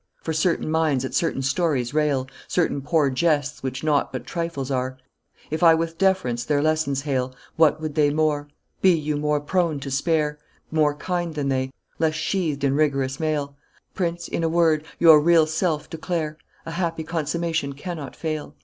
For certain minds at certain stories rail, Certain poor jests, which nought but trifles are. If I with deference their lessons hail, What would they more? Be you more prone to spare, More kind than they; less sheathed in rigorous mail; Prince, in a word, your real self declare A happy consummation cannot fail."